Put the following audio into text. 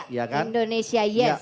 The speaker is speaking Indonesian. iya indonesia yes